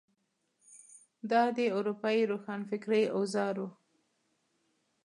دا د اروپايي روښانفکرۍ اوزار وو.